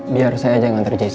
biar saya aja yang anter jessy